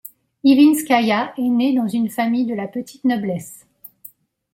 Ivinskaïa est née dans une famille de la petite noblesse.